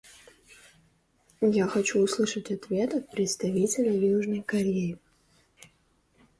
Я хочу услышать ответ от представителя Южной Кореи.